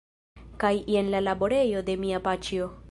Kaj jen la laborejo de mia paĉjo.